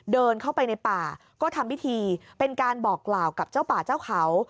เดินเข้าไปในป่าก็ทำพิธีเป็นการบอกกล่าวกับเจ้าป่าเจ้าเขา